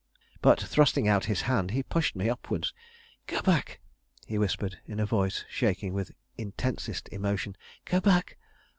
'Go back!'"] But, thrusting out his hand, he pushed me upwards. "Go back!" he whispered, in a voice shaking with intensest emotion, "go back."